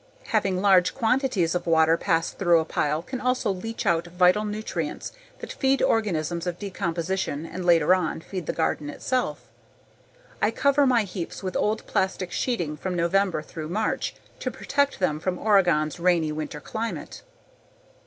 Having large quantities of water pass through a pile can also leach out vital nutrients that feed organisms of decomposition and later on, feed the garden itself. I cover my heaps with old plastic sheeting from November through March to protect them from Oregon's rainy winter climate.